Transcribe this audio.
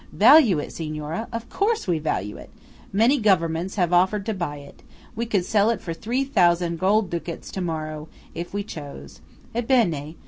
"Value it, Signora? Of course we value it. Many governments have offered to buy it. We could sell it for three thousand gold ducats to morrow, if we chose. Ebbene!